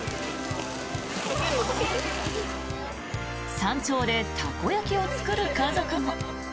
山頂でたこ焼きを作る家族も。